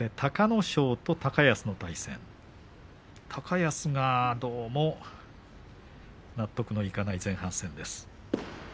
高安がどうも納得のいかない前半戦です。